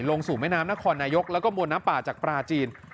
ลงสู่แม่น้ำนครนายกแล้วก็มวลน้ำป่าจากปลาจีน